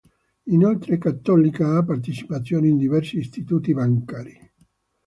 Inoltre Cattolica ha partecipazioni in diversi istituti bancari.